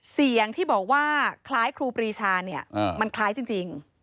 เสียงที่บอกว่าคล้ายครูปรีชาเนี่ยมันคล้ายจริง